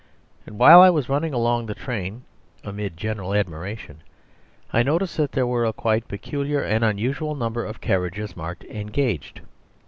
And while I was running along the train (amid general admiration) I noticed that there were a quite peculiar and unusual number of carriages marked "Engaged."